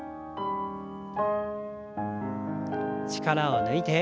力を抜いて。